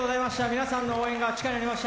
皆さんの応援が力になりました